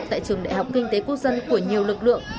tại trường đại học kinh tế quốc dân của nhiều lực lượng